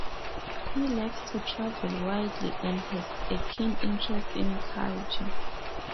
He likes to travel widely and has a keen interest in culture.